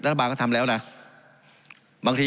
การปรับปรุงทางพื้นฐานสนามบิน